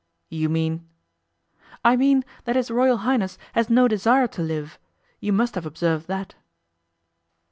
'You mean ?' 'I mean that his Royal Highness has no desire to live. You must have observed that.